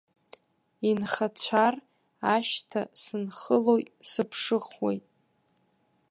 Инхацәар, ашьҭа сынхылоит, сыԥшыхәуеит.